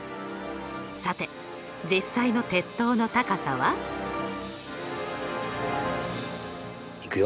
さて実際の鉄塔の高さは？いくよ。